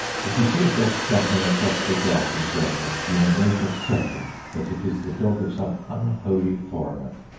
If you see a dog scampering across the grass in Germany, you may know for certain that it is the dog of some unholy foreigner.